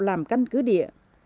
làm căn cứ địa